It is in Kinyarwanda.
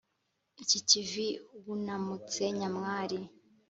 Iki kivi wunamutse nyamwari